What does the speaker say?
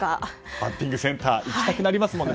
バッティングセンター行きたくなりますよね。